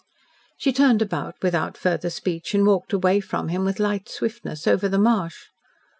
She turned about without further speech, and walked away from him with light swiftness over the marsh.